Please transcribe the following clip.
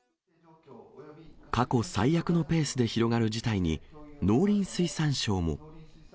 過去最悪のペースで広がる事態に、農林水産省も。